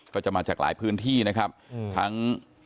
ก็จะมาจากหลายพื้นที่นะครับทั้ง